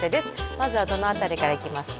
まずはどの辺りからいきますか？